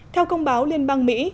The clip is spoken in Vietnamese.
theo công báo liên bang mỹ